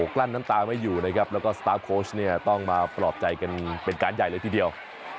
กลั้นน้ำตาไม่อยู่นะครับแล้วก็ต้องมาประอบใจกันเป็นการใหญ่เลยทีเดียว